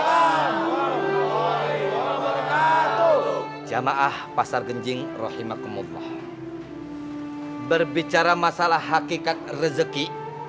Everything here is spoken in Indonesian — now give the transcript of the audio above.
warahmatullahi wabarakatuh jamaah pasar genjing rahimahumullah berbicara masalah hakikat rezeki